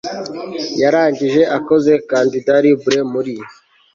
yarangije akoze candidat libre muri